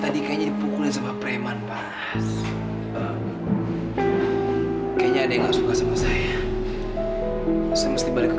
dan ini bahaya sekali